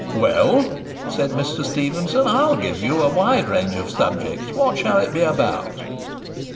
"Well," said Mr. Stephenson, "I'll give you a wide range of subjects; what shall it be about?"